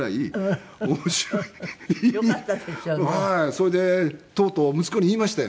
それでとうとう息子に言いましたよ。